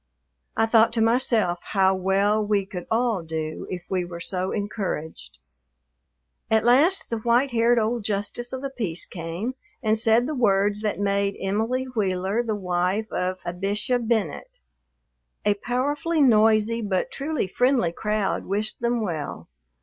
I thought to myself how well we could all do if we were so encouraged. At last the white haired old justice of the peace came, and said the words that made Emily Wheeler the wife of Abisha Bennet. A powerfully noisy but truly friendly crowd wished them well.